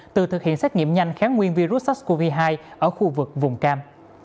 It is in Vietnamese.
từ thực hiện xét nghiệm nhanh kháng nguyên virus sars cov hai ở khu vực vùng cam